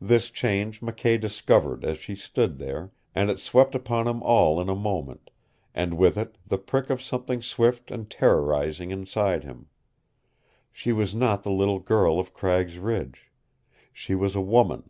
This change McKay discovered as she stood there, and it swept upon him all in a moment, and with it the prick of something swift and terrorizing inside him. She was not the little girl of Cragg's Ridge. She was a WOMAN.